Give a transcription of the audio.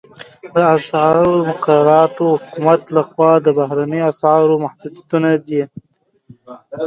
د اسعارو مقررات د حکومت لخوا د بهرنیو اسعارو محدودیتونه دي